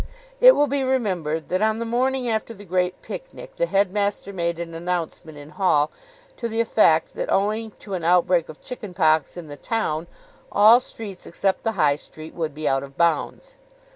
It will be remembered that on the morning after the Great Picnic the headmaster made an announcement in Hall to the effect that, owing to an outbreak of chicken pox in the town, all streets except the High Street would be out of bounds.